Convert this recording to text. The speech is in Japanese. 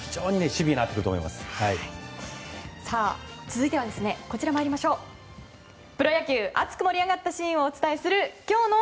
シビア続いては、プロ野球熱く盛り上がったシーンをお届けする今日の。